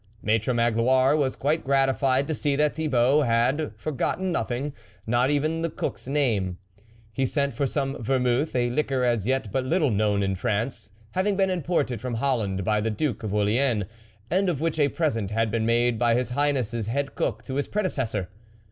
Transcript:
Maitre Magloire was quite gratified to see that Thibault had forgotten nothing, not even the cook's name. He sent for some vermouth, a liqueur as yet but little known in France, having been imported from Holland by the Duke of Orleans and of which a present had been made by his Highness's head cook to his predecessor.